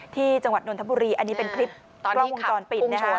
จังหวัดนนทบุรีอันนี้เป็นคลิปกล้องวงจรปิดนะฮะ